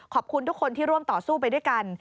ขอบคุณทุกคนที่ร่วมต่อสู้ไปด้วยกัน